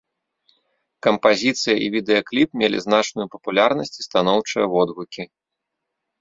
Кампазіцыя і відэакліп мелі значную папулярнасць і станоўчыя водгукі.